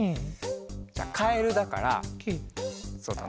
じゃあカエルだからそうだな。